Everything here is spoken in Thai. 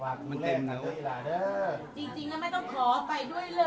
อย่างนั้นเดี๋ยวเล่ากันคำถามนะคะไม่ต้องขอพร้อมไปเลยนะครับ